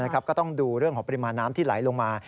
ก็ต้องดูเรื่องของปริมาณน้ำที่ไหลลงมา